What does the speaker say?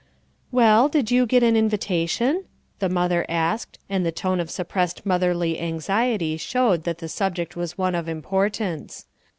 "Well, did you get an invitation?" the mother asked, and the tone of suppressed motherly anxiety showed that the subject was one of importance.